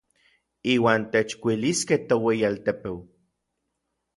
Iuan techkuiliskej toueyialtepeu.